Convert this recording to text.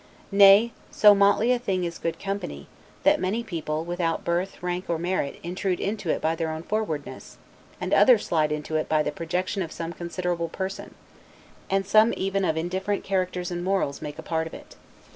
Nay, so motly a thing is good company, that many people, without birth, rank, or merit, intrude into it by their own forwardness, and others slide into it by the protection of some considerable person; and some even of indifferent characters and morals make part of it.